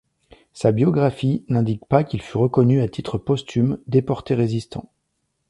Sa biographie n’indique pas qu’il fut reconnu à titre posthume déporté-résistant.